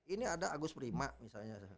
ini ada agus prima misalnya